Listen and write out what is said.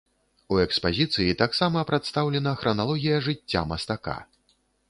У экспазіцыі таксама прадстаўлена храналогія жыцця мастака.